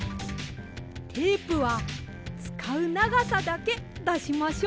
テープはつかうながさだけだしましょうね。